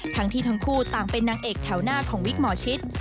ทั้งคู่ต่างเป็นนางเอกแถวหน้าของวิกหมอชิต